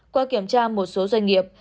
qua kiểm tra một số doanh nghiệp